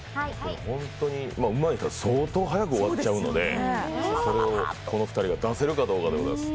本当にうまい人は相当速く終わっちゃうのでそれをこの２人が出せるかどうかです。